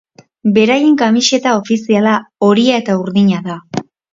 Beraien kamiseta ofiziala horia eta urdina da.